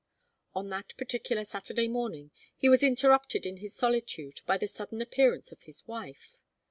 On that particular Saturday morning he was interrupted in his solitude by the sudden appearance of his wife.